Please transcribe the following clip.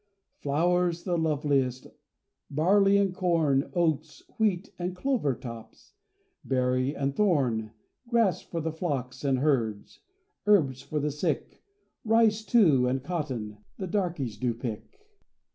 Flowers the loveliest, Barley and corn, Oats, wheat and clover tops, Berry and thorn; Grass for the flocks and herds, Herbs for the sick; Rice, too, and cotton, The darkies do pick.